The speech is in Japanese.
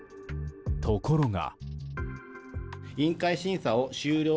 ところが。